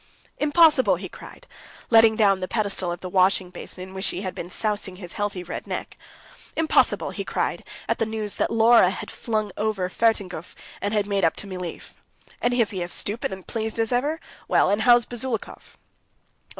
"Impossible!" he cried, letting down the pedal of the washing basin in which he had been sousing his healthy red neck. "Impossible!" he cried, at the news that Laura had flung over Fertinghof and had made up to Mileev. "And is he as stupid and pleased as ever? Well, and how's Buzulukov?"